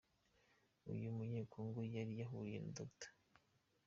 Uyu munye-Congo yari yahuriye na Dr.